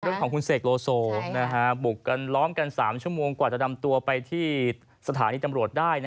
เรื่องของคุณเสกโลโซบุกกันล้อมกัน๓ชั่วโมงกว่าจะนำตัวไปที่สถานีตำรวจได้